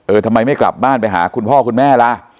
ทำไมไม่กลับบ้านไปหาคุณพ่อคุณแม่ล่ะ